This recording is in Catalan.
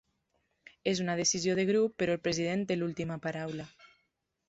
Es una decisió de grup però el president té l'última paraula.